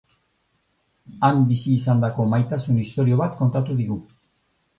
Han bizi izandako maitasun istorio bat kontatu digu.